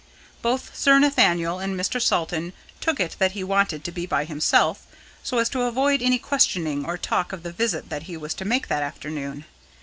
Both Sir Nathaniel and Mr. Salton took it that he wanted to be by himself, so as to avoid any questioning or talk of the visit that he was to make that afternoon.